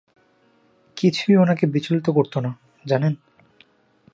কিছুই ওনাকে বিচলিত করত না, জানেন?